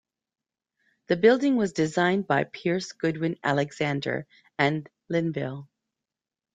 The building was designed by Pierce Goodwin Alexander and Linville.